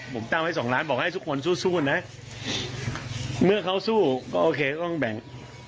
ผมตั้งไว้สองล้านบอกให้ทุกคนสู้สู้นะเมื่อเขาสู้ก็โอเคต้องแบ่ง